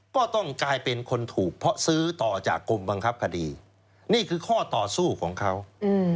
ก็ต้องกลายเป็นคนถูกเพราะซื้อต่อจากกรมบังคับคดีนี่คือข้อต่อสู้ของเขาอืม